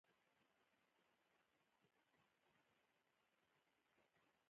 ده ته به مو ویل، هر څه چې ستا زړه غواړي هغه راوړه.